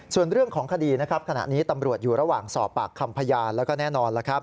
ส่วนเรื่องของคดีขณะนี้ตำรวจอยู่ระหว่างสอบปากคำพยานแล้วก็แน่นอน